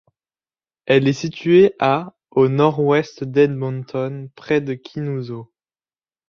Elle est située à au nord-ouest d'Edmonton près de Kinuso.